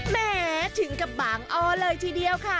แหมถึงกับบางอ้อเลยทีเดียวค่ะ